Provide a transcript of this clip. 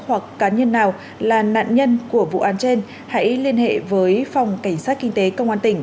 hoặc cá nhân nào là nạn nhân của vụ án trên hãy liên hệ với phòng cảnh sát kinh tế công an tỉnh